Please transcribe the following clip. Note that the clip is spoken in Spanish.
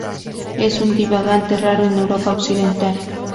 Es un divagante raro en Europa occidental.